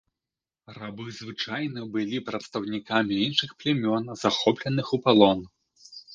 Рабы звычайна былі прадстаўнікамі іншых плямён, захопленых у палон.